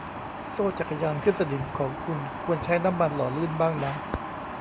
โซ่จักรยานขึ้นสนิมของคุณควรใช้น้ำมันหล่อลื่นบ้างนะ